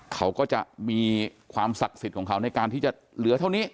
เขาก็จะมีความศักดิ์สิทธิ์ของเขาในการที่จะเหลือเท่านี้